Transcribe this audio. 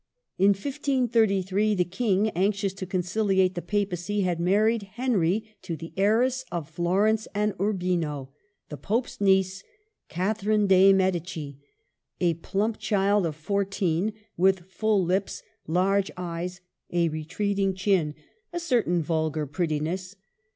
In 1533 the King, anxious to conciliate the Papacy, had married Henry to the heiress of Florence and Urbino, the Pope's niece, Cathe rine dei Medici, a plump child of fourteen, with full lips, large eyes, a retreating chin, — a certain vulgar prettiness.